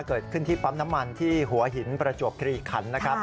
เกิดขึ้นที่ปั๊มน้ำมันที่หัวหินประจวบคลีขันนะครับ